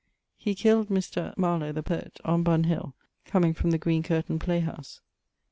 He killed Mr. ... Marlow, the poet, on Bunhill, comeing from the Green Curtain play house.